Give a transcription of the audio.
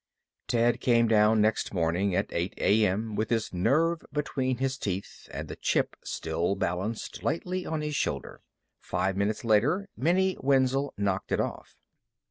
Ted came down next morning at 8 A.M. with his nerve between his teeth and the chip still balanced lightly on his shoulder. Five minutes later Minnie Wenzel knocked it off.